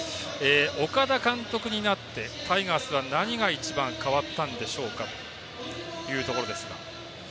岡田監督になってタイガースは何が一番変わったんでしょうか？というところですが。